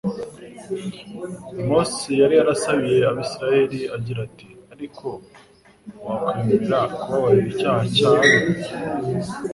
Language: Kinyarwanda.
Mose yari yarasabiye abisiraeli agira ati : "Ariko wakwemera kubabarira icyaha cya be,